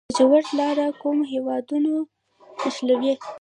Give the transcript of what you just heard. د لاجوردو لاره کوم هیوادونه نښلوي؟